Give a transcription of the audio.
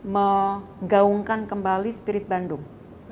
menggaungkan kembali spirit bandung